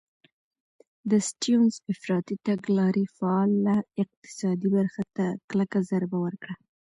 د سټیونز افراطي تګلارې فعاله اقتصادي برخه ته کلکه ضربه ورکړه.